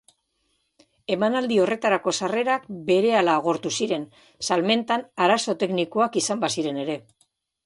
Emanaldi horretarako sarrerak berehala agortu ziren, salmentan arazo teknikoak izan baziren ere.